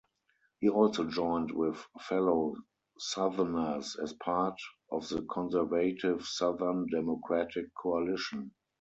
He also joined with fellow Southerners as part of the conservative Southern Democratic coalition.